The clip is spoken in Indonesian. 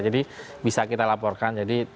jadi bisa kita laporkan